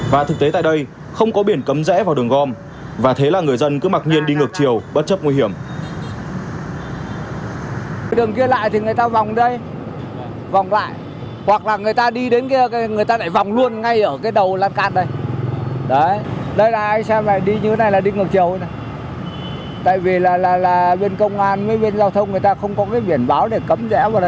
và thực tế tại đây không có biển cấm rẽ vào đường gom và thế là người dân cứ mặc nhiên đi ngược chiều bất chấp nguy hiểm